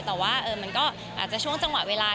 แต่ว่ามันก็อาจจะช่วงจังหวะเวลา